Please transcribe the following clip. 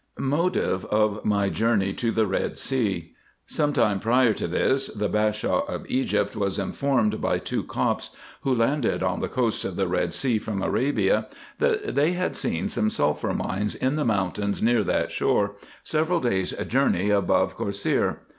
MOTIVE OF MY JOURNEY TO THE RED SEA. Some time prior to this, the Bashaw of Egypt was informed by two Copts, who landed on the coast of the Pied Sea from Arabia, that they had seen some sulphur mines in the mountains near that shore, several days journey above Cosseir.